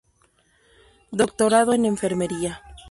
Doctorado en Enfermería